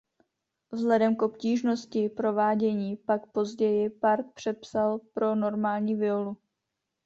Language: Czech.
Vzhledem k obtížnosti provádění pak později part přepsal pro normální violu.